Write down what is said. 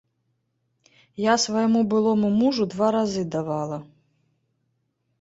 Я свайму былому мужу два разы давала.